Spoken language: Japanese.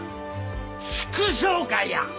祝勝会や！